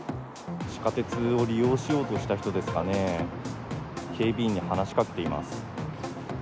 地下鉄を利用しようとした人ですかね、警備員に話しかけています。